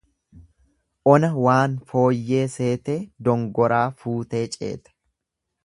Ona waan fooyyee seetee dongoraa fuutee ceete.